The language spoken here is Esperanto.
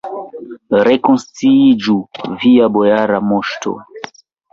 Rekonsciiĝu, via bojara moŝto!